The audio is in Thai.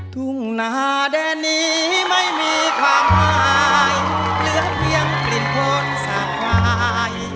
ทุ่งนาแดนนี้ไม่มีความหมายเหลือเพียงกลิ่นคนสาบควาย